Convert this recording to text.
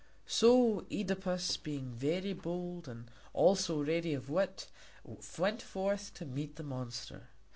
So Œdipus, being very bold, and also ready of wit, went forth to meet the monster.